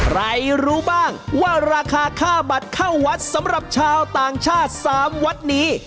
รู้บ้างว่าราคาค่าบัตรเข้าวัดสำหรับชาวต่างชาติ๓วัดนี้